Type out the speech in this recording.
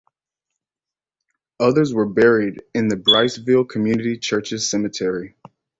Others were buried in the Briceville Community Church's cemetery.